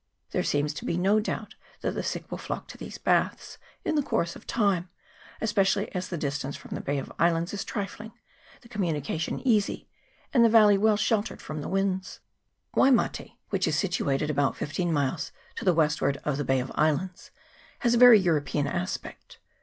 There seems to be no doubt that the sick will CHAP. XVII.] WAIMATE. 247 flock to these baths in the course of time, especially as the distance from the Bay of Islands is trifling, the communication easy, and the valley well sheltered from the winds. Waimate, which is situated about fifteen miles to the westward of the Bay of Islands, has a very European aspect.